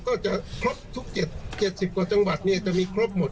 ก็จะครบทุก๗๐กว่าจังหวัดเนี่ยจะมีครบหมด